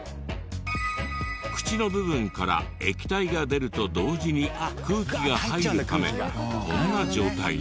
口の部分から液体が出ると同時に空気が入るためこんな状態に。